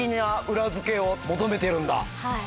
はい。